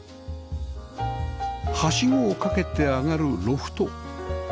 はしごをかけて上がるロフト